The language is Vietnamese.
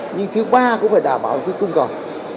nhưng thứ ba cũng phải đảm bảo cái cung cầu